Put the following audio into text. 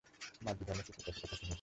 মার্জি ধর্ম শিক্ষিকাকে কথা শুনিয়ে এসেছে।